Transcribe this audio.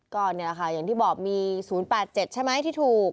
ก็นี่แหละค่ะอย่างที่บอกมี๐๘๗ใช่ไหมที่ถูก